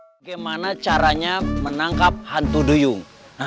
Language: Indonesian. bagaimana caranya menangkap hantu duyung